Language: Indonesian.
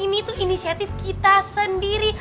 ini tuh inisiatif kita sendiri